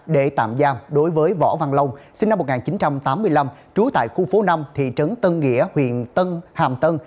để tạm giam đối với võ văn long sinh năm một nghìn chín trăm tám mươi năm trú tại khu phố năm thị trấn tân nghĩa huyện tân hàm tân